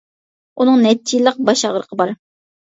ئۇنىڭ نەچچە يىللىق باش ئاغرىقى بار.